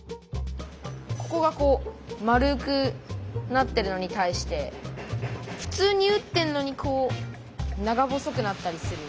ここがこう円くなってるのに対してふつうに打ってんのにこう長細くなったりする。